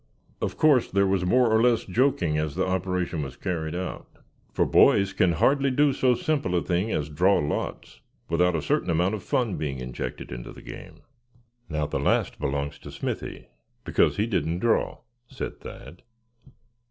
Of course there was more or less joking as the operation was carried out; for boys can hardly do so simple a thing as draw lots without a certain amount of fun being injected into the game. "Now, the last belongs to Smithy, because he didn't draw," said Thad.